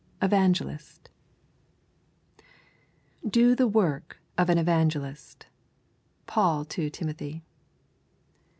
EVANGELIST 'Do the work of an evangelist.' Paul to Timothy.